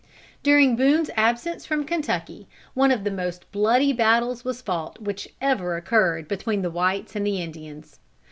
During Boone's absence from Kentucky, one of the most bloody battles was fought, which ever occurred between the whites and the Indians.